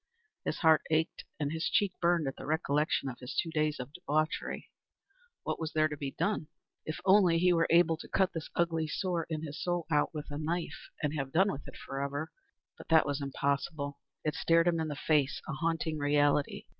His heart ached and his cheek burned at the recollection of his two days of debauchery. What was to be done? If only he were able to cut this ugly sore in his soul out with a knife and have done with it forever! But that was impossible. It stared him in the face, a haunting reality.